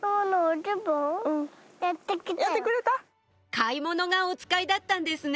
買い物がおつかいだったんですね